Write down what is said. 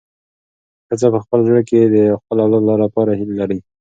ښځه په خپل زړه کې د خپل اولاد لپاره هیلې لري.